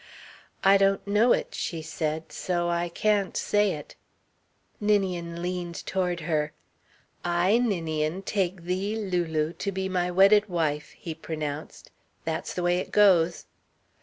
"I don't know it," she said, "so I can't say it." Ninian leaned toward her. "I, Ninian, take thee, Lulu, to be my wedded wife," he pronounced. "That's the way it goes!"